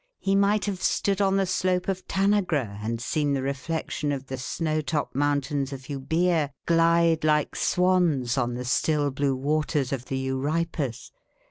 He might have stood on the slope of Tanagra, and seen the reflection of the snow topped mountains of Euboea glide like swans on the still blue waters of the Euripus.